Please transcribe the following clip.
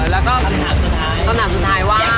แล้วก็สำหรับสุดท้ายว่า